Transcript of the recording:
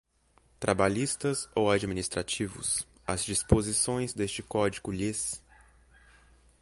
trabalhistas ou administrativos, as disposições deste Código lhes